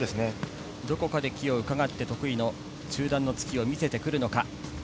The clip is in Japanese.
どこかで気をうかがって得意の中段の突きを見せてくるのか。